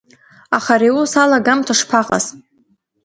Аха ари аус алагамҭа шԥаҟаз?